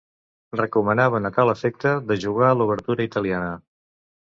Recomanaven a tal efecte de jugar l'obertura italiana.